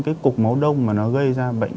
cái cục máu đông mà nó gây ra bệnh